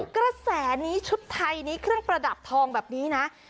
กระแสนี้ชุดไทยนี้เครื่องประดับทองแบบนี้นะ